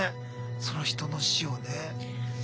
その人の死をね。